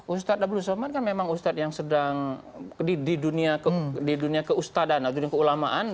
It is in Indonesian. ustadz abdul soman kan memang ustadz yang sedang di dunia keustadan atau di keulamaan